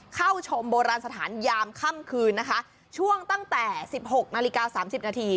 เข้าชมโบราณสถานยามค่ำคืนนะคะช่วงตั้งแต่สิบหกนาฬิกาสามสิบนาที